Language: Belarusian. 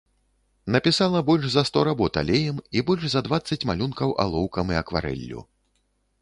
Напісала больш за сто работ алеем і больш за дваццаць малюнкаў алоўкам і акварэллю.